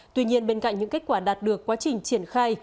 tuy nhiên bên cạnh những kết quả đạt được quá trình triển khai